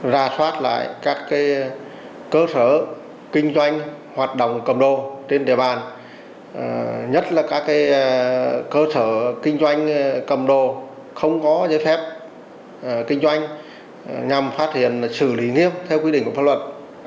ra soát lại các cơ sở kinh doanh hoạt động cầm đồ trên địa bàn nhất là các cơ sở kinh doanh cầm đồ không có giấy phép kinh doanh nhằm phát hiện xử lý nghiêm theo quy định của pháp luật